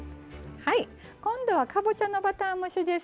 今度はかぼちゃのバター蒸しです。